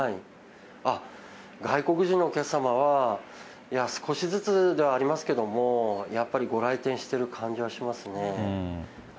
外国人のお客様は少しずつではありますけれども、やっぱりご来店してる感じはしますね。